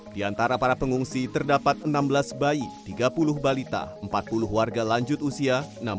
di antara para pengungsi terdapat enam belas bayi tiga puluh balita empat puluh warga lanjut usia